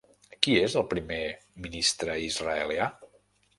Qui és el primer ministre israelià?